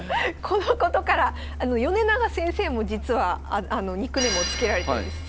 このことから米長先生も実はニックネームを付けられてるんです。